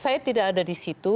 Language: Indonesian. saya tidak ada di situ